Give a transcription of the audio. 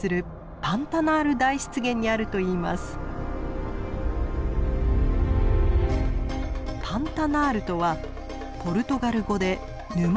パンタナールとはポルトガル語で「沼」を意味します。